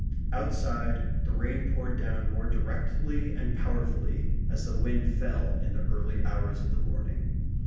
Outside the rain poured down more directly and powerfully as the wind fell in the early hours of the morning.